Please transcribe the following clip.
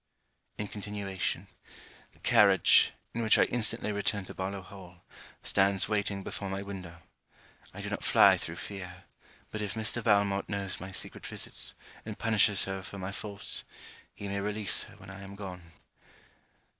In continuation The carriage, in which I instantly return to Barlowe Hall, stands waiting before my window. I do not fly through fear; but if Mr. Valmont knows my secret visits, and punishes her for my faults, he may release her when I am gone.